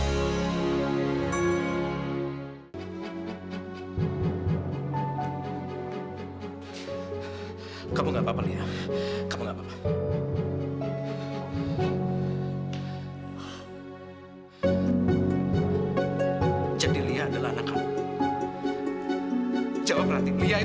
sampai jumpa di video selanjutnya